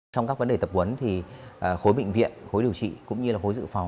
trong các vấn đề tập quấn thì khối bệnh viện khối điều trị cũng như khối dự phòng